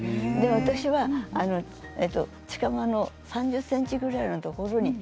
私は近場の３０ｃｍくらいのところに。